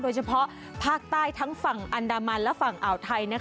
โดยเฉพาะภาคใต้ทั้งฝั่งอันดามันและฝั่งอ่าวไทย